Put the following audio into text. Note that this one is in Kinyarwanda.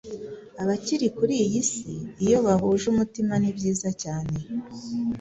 ababiri kuri iyi si iyo bahuje umutima nibyiza cyane